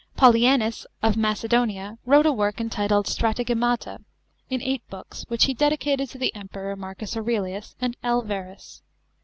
POLY^INUS of Macedonia wrote a work entitled Strategemato, in eight Books, which he dedicated to the Emperors Marcus Aurelius and L. Verus.